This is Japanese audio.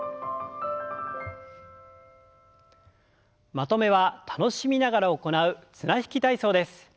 まとめは楽しみながら行う綱引き体操です。